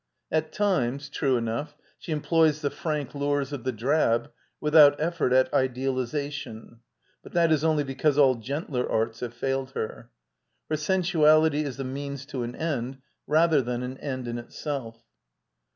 At times, true enough, she employs the frank lures of the drab, without effort at idealization, but that is only be cause all gentler arts have failed her. Her sen suality is a means to an end, rather than an end in itself.